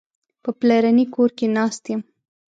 په پلرني کور کې ناست یم.